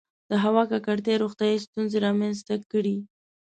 • د هوا ککړتیا روغتیایي ستونزې رامنځته کړې.